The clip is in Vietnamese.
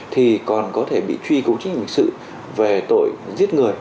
thì còn có thể bị truy cứu trách nhiệm hình sự về tội giết người